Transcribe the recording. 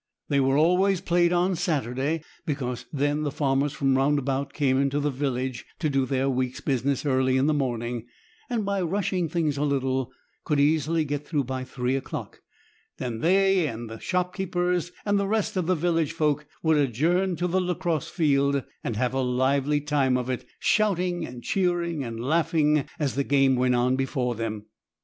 They were always played on Saturday, because then the farmers from round about came in to the village to do their week's business early in the morning, and by rushing things a little could easily get through by three o'clock, and then they and the shopkeepers and the rest of the village folk would adjourn to the lacrosse field and have a lively time of it, shouting, and cheering, and laughing as the game went on before them.